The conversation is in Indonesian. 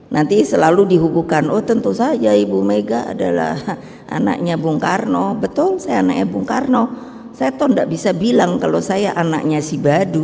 nanti selalu dihubungkan oh tentu saja ibu mega adalah anaknya bung karno betul saya anaknya bung karno saya toh tidak bisa bilang kalau saya anaknya si badu